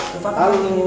tufa pulang ya